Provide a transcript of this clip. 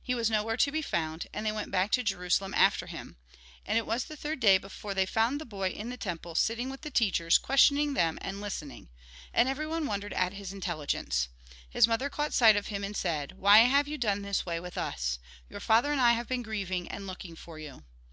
He was nowhere to be found, and they went back to Jerusalem after him. And it was the third day 24 THE GOSPEL IN BRIEF before they found the boy in the temple, sitting with the teachers, questioning them and listenmg. And everyone wondered at his intelligence. His mother caught sight of him, and said :" Why have you done this way with us ? Your father and I have been grieving, and looking for you."